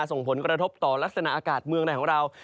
ส่งผลกระทบต่อลักษณะอากาศเมืองไหนของเรา